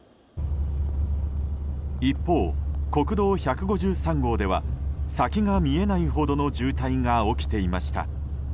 一方、国道１５３号では先が見えないほどの渋滞が起きていました。